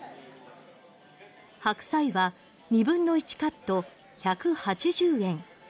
ハクサイは２分の１カット１８０円。